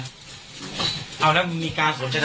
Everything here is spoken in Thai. เอาล่ะมีการส่ง